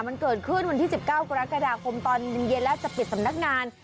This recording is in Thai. มันเกิดขึ้นวันที่๑๙กรกฎาคมตอนเย็นแล้วจะปิดสำนักงาน